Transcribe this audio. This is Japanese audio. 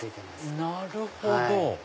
なるほど！